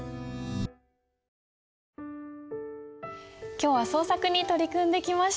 今日は創作に取り組んできました。